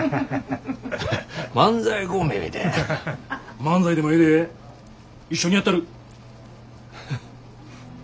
漫才でもええで一緒にやったる。